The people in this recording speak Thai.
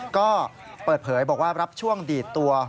ก็เปิดเผยบอกว่ารับช่วงดีดตัว